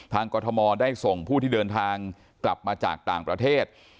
กรทมได้ส่งผู้ที่เดินทางกลับมาจากต่างประเทศ